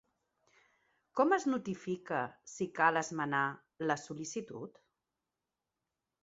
Com es notifica si cal esmenar la sol·licitud?